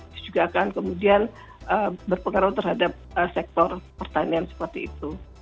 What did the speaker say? itu juga akan kemudian berpengaruh terhadap sektor pertanian seperti itu